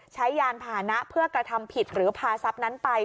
ยานพานะเพื่อกระทำผิดหรือพาทรัพย์นั้นไป